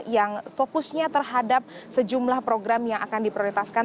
yang fokusnya terhadap sejumlah program yang akan diprioritaskan